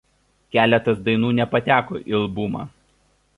Keletas dainų nepateko į albumą.